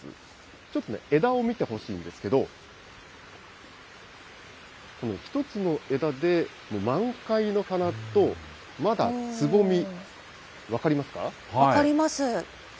ちょっとね、枝を見てほしいんですけど、このように１つの枝で満開の花とまだつぼみ、分かります分かります。